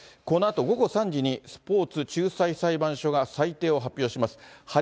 このあと午後３時に、スポーツ仲裁裁判所が裁定を発表します。